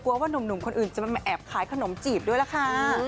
ว่านุ่มคนอื่นจะมาแอบขายขนมจีบด้วยล่ะค่ะ